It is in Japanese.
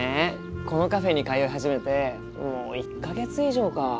このカフェに通い始めてもう１か月以上か。